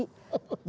saya mau beli